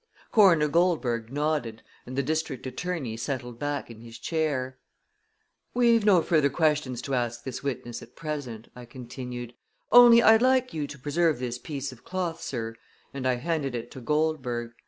Coroner Goldberg nodded, and the district attorney settled back in his chair. "We've no further questions to ask this witness at present," I continued. "Only I'd like you to preserve this piece of cloth, sir," and I handed it to Goldberg.